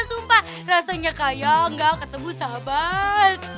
sumpah rasanya kayak gak ketemu sahabat